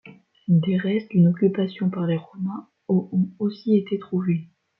Des restes d'une occupation par les romains au ont aussi été trouvés.